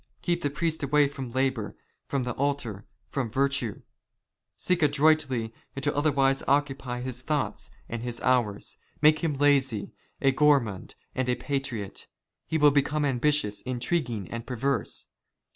Keep the priest away from labour, from the altar, *' from virtue. Seek adroitly to otherwise occupy his thoughts " and his hours. Make him lazy, a gourmand, and a patriot. "He will become ambitious, intriguing, and perverse.